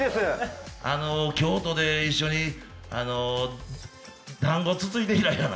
京都で一緒にだんごをつついて以来やな。